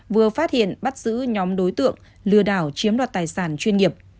vừa phát hiện bắt giữ nhóm đối tượng lừa đảo chiếm đoạt tài sản chuyên nghiệp